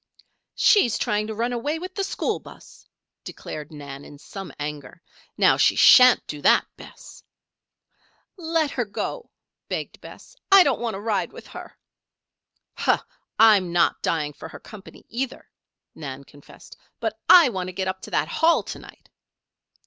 "She's trying to run away with the school 'bus," declared Nan, in some anger. "Now, she sha'n't do that, Bess!" "Let her go," begged Bess. "I don't want to ride with her." "Pshaw! I'm not dying for her company, either," Nan confessed. "But I want to get up to that Hall to night."